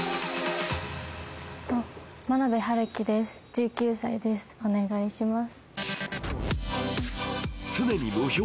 １９歳ですお願いします